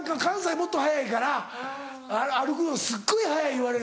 もっと速いから歩くのすっごい速い言われる。